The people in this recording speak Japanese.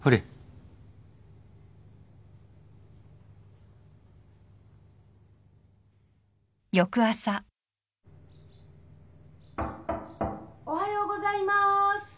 ・・おはようございます。